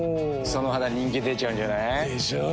その肌人気出ちゃうんじゃない？でしょう。